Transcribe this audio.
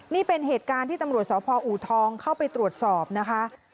นี่เป็นเหตุการณ์ที่ตำรวจสพอูทองเข้าไปตรวจสอบนะคะ